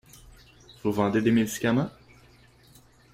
Vous vendez des médicaments ?